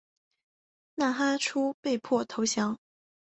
纳哈出被迫投降。